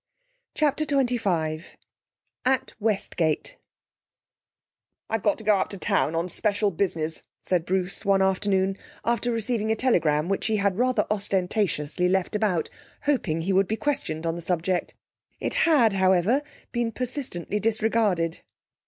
CHAPTER XXV At Westgate 'I've got to go up to town on special business,' said Bruce, one afternoon, after receiving a telegram which he had rather ostentatiously left about, hoping he would be questioned on the subject. It had, however, been persistently disregarded.